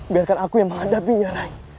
biarkan aku yang menghadapinya rai